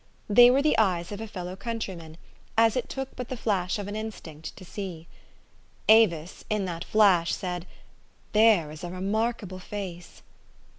They were the eyes of a fellow countryman, as it took but the flash of an instinct to see. Avis, in that flash, said, u There is a remarkable face